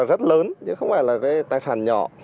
rất lớn chứ không phải là tài sản nhỏ